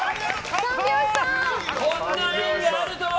こんな縁があるとは。